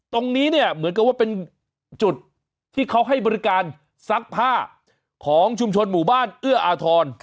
ตรงนี้เนี่ยเหมือนกับว่าเป็นจุดที่เขาให้บริการซักผ้าของชุมชนหมู่บ้านเอื้ออาทร